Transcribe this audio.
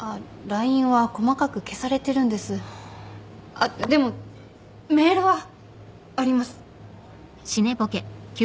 あっでもメールはあります。